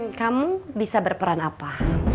kamu bisa berperan apa